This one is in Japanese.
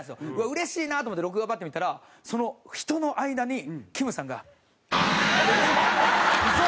嬉しいなと思って録画パッて見たらその人の間にきむさんが。嘘？